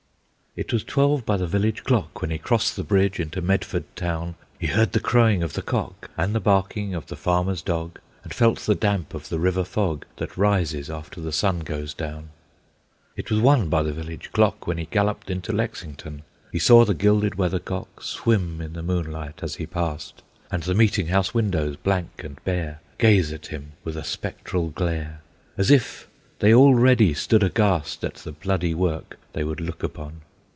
It was twelve by the village clock When he crossed the bridge into Medford town. He heard the crowing of the cock, And the barking of the farmer's dog, And felt the damp of the river fog, That rises after the sun goes down. It was one by the village clock, When he galloped into Lexington. He saw the gilded weathercock Swim in the moonlight as he passed, And the meeting house windows, blank and bare, Gaze at him with a spectral glare, As if they already stood aghast At the bloody work they would look upon.